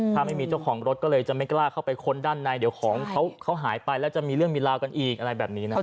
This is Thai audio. ถ้าไม่มีเจ้าของรถก็เลยจะไม่กล้าเข้าไปค้นด้านในเดี๋ยวของเขาหายไปแล้วจะมีเรื่องมีราวกันอีกอะไรแบบนี้นะครับ